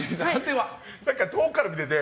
さっきから遠くから見てて